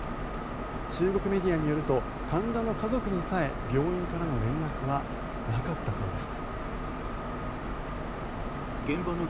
中国メディアによると患者の家族にさえ病院からの連絡はなかったそうです。